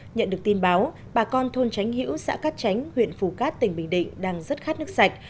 nhận được tin báo bà con thôn tránh hiểu xã cát tránh huyện phù cát tỉnh bình định đang rất khát nước sạch